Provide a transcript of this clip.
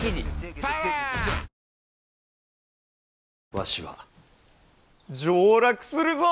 わしは上洛するぞ！